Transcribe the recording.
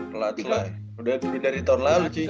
clutch lah udah dari tahun lalu sih